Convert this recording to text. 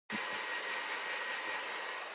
錢債好還，人債歹還